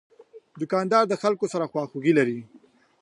دوکاندار د خلکو سره خواخوږي لري.